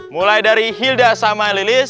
mulai dari hilda samai lilis